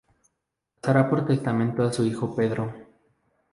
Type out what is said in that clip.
Pasará por testamento a su hijo Pedro.